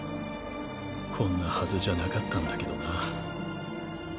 こんなハズじゃなかったんだけどな。